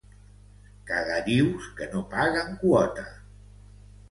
Caganius que no paguen quota.